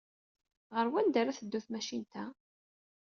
Ɣer wanda ara teddu tmacint-a?